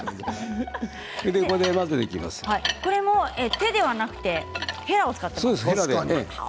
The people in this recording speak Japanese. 手ではなくてへらを使います。